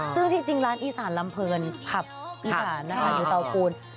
ซึ่งจริงร้านอีสานลำเพลินผับอีสานนะคะอยู่เตาปูน